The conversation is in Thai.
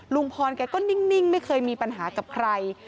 ลุงพรแกก็นิ่งไม่เคยมีปัญหากับใคร